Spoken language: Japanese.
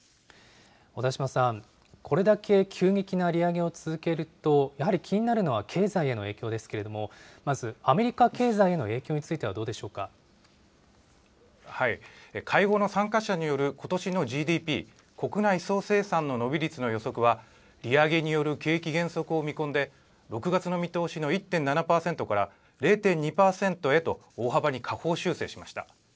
小田島さん、これだけ急激な利上げを続けると、やはり気になるのは経済への影響ですけれども、まずアメリカ経済への影響につい会合の参加者によることしのＧＤＰ・国内総生産の伸び率の予測は、利上げによる景気減速を見込んで、６月の見通しの１．７％から、０．２％へと大幅に下方修正しました。